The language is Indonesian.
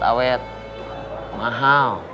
harus harus kak sonegoa